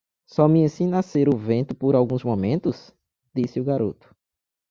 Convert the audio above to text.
"Só me ensine a ser o vento por alguns momentos?", disse o garoto.